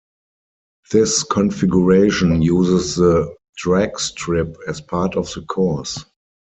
This configuration uses the dragstrip as part of the course.